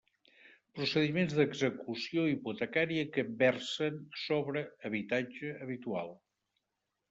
Procediments d'execució hipotecària que versen sobre habitatge habitual.